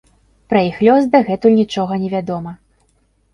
Пра іх лёс дагэтуль нічога невядома.